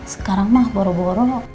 sekarang mah boro boro